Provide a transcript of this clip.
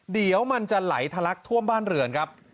เดี๋ยวมันจะไหลทะลักท่วมบ้านเรือนครับ